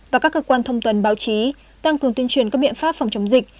và các cơ quan thông tuần báo chí tăng cường tuyên truyền các biện pháp phòng chống dịch